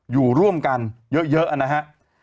อยู่ร่วมกันเยอะนะฮะ